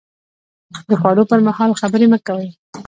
د خوړو پر مهال خبرې مه کوئ